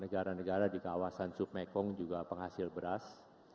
negara negara di kawasan sub mekong juga penghasil beras